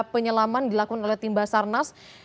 penyelaman dilakukan oleh tim basarnas